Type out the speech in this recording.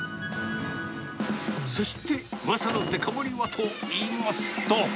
そしてうわさのデカ盛りはといいますと。